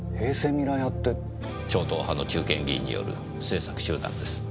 超党派の中堅議員による政策集団です。